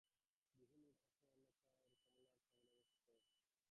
গৃহিণীর শাসনে অন্যান্য চাকরেরা কমলার সংস্রব যথাসম্ভব পরিত্যাগ করিল।